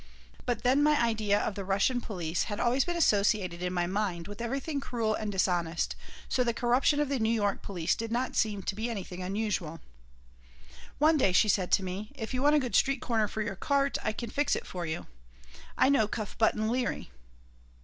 But then my idea of the Russian police had always been associated in my mind with everything cruel and dishonest, so the corruption of the New York police did not seem to be anything unusual One day she said to me: "If you want a good street corner for your cart I can fix it for you. I know Cuff Button Leary."